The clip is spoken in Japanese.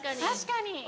確かに。